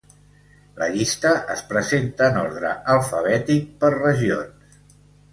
La llista es presenta en ordre alfabètic per regions.